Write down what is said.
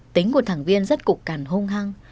tính của thằng viên rất cục cằn hung hăng